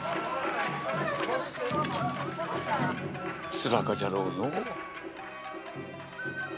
つらかじゃろうのぅ。